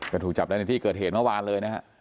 ก็ถูกจับได้ในที่เกิดเหตุเมื่อวานเลยนะฮะ